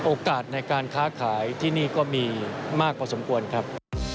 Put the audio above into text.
โอกาสในการค้าขายที่นี่ก็มีมากพอสมควรครับ